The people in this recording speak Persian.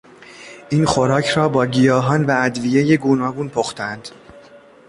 این خوراک را با گیاهان و ادویهی گوناگون پختهاند.